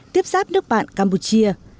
tiếp sáp nước bạn campuchia